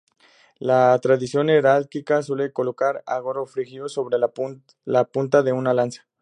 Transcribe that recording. La tradición heráldica suele colocar el gorro frigio sobre la punta de una lanza.